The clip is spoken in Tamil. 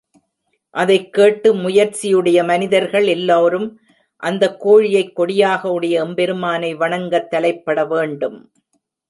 அதைக் கேட்டு முயற்சி உடைய மனிதர்கள் எல்லோரும் அந்தக்கோழியைக் கொடியாக உடைய எம்பெருமானை வணங்கத் தலைப்படவேண்டும்.